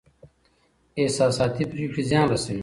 احساساتي پرېکړې زيان رسوي.